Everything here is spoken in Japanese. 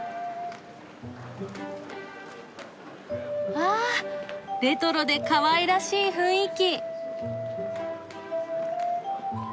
わあレトロでかわいらしい雰囲気！